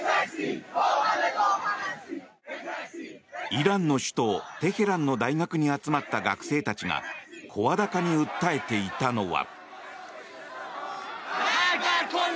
イランの首都テヘランの大学に集まった学生たちが声高に訴えていたのは。